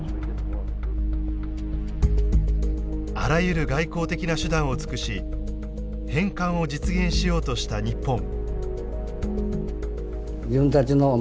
あらゆる外交的な手段を尽くし返還を実現しようとした日本。